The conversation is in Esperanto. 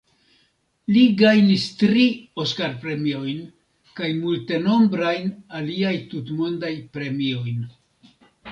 Li gajnis tri Oskar-premiojn kaj multenombrajn aliaj tutmondaj premiojn.